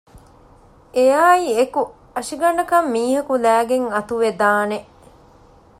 އެއާއިއެކު އަށިގަނޑަކަށް މީހަކު ލައިގެން އަތުވެދާނެ